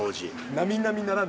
なみなみならぬ。